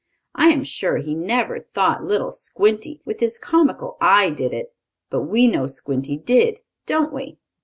I am sure he never thought little Squinty, with his comical eye, did it. But we know Squinty did, don't we?